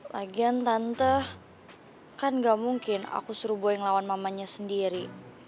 lagian tante kan gamungkin aku suruh boy ngelawan mamanya sendiri